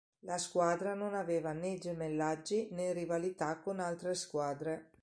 La squadra non aveva né gemellaggi né rivalità con altre squadre.